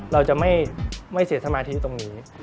เราจะไม่เสียสมาธิตรงนี้